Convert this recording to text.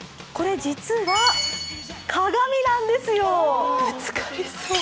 これ実は鏡なんですよ。